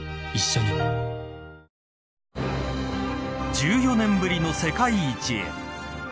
１４年ぶりの世界一へ。